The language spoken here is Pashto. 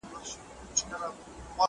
د خطا قتل لپاره مناسبه کفاره وټاکل سوه.